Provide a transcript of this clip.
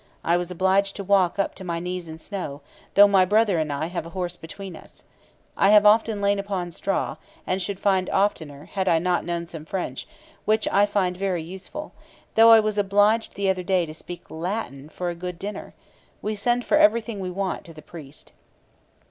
I was obliged to walk up to my knees in snow, though my brother and I have a horse between us. I have often lain upon straw, and should oftener, had I not known some French, which I find very useful; though I was obliged the other day to speak Latin for a good dinner. We send for everything we want to the priest.'